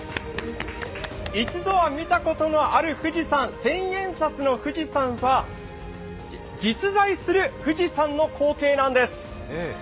一度は見たことのある富士山、千円札の富士山は実在する富士山の光景なんです。